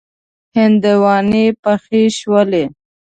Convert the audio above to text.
هندواڼی پخې شولې.